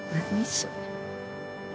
それ。